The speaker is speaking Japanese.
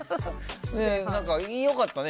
良かったね。